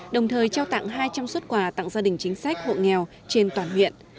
đồng thời trao tặng hai trăm linh xuất quà tặng gia đình chính sách hộ nghèo trên toàn huyện